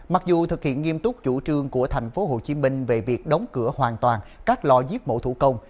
mặc dù thực hiện nghiêm túc chủ trương của thành phố hồ chí minh về việc đóng cửa hoàn toàn các lò giết mổ thủ công